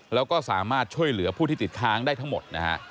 แล้วก็สามารถช่วยเหลือผู้ที่ติดค้างได้ทั้งหมดนะฮะ